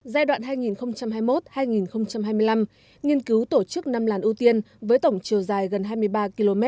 giai đoạn hai nghìn hai mươi một hai nghìn hai mươi năm nghiên cứu tổ chức năm làn ưu tiên với tổng chiều dài gần hai mươi ba km